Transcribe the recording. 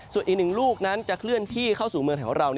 ส่วนอีก๑ลูกนั้นจะเคลื่อนที่เข้าสู่เมืองอาชาปัญหาเรา